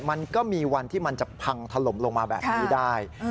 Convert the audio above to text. มันก็มีวันที่มันจะพังถล่มลงมาแบบนี้ได้